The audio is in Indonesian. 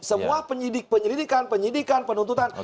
semua penyidikan penuntutan